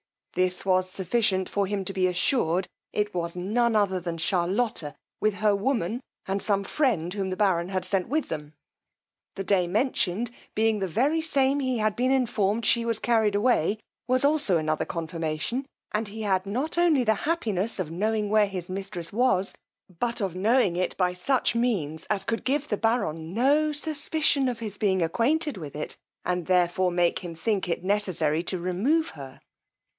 This was sufficient for him to be assured it was no other than Charlotta, with her woman, and some friend whom the baron had sent with them. The day mentioned, being the very same he had been informed she was carried away, was also another confirmation; and he had not only the happiness of knowing where his mistress was, but of knowing it by such means as could give the baron no suspicion of his being acquainted with it, and therefore make him think it necessary to remove her.